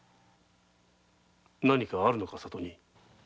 何かあるのか里に？